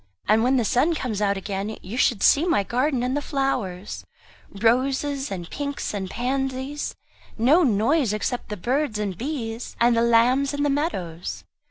And when the sun comes out again, you should see my garden and the flowers roses and pinks and pansies no noise except the birds and bees, and the lambs in the meadows."